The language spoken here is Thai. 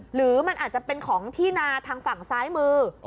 หรือมันอาจจะเป็นของที่นาทางฝั่งซ้ายมือ